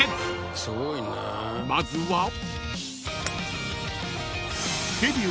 ［まずは］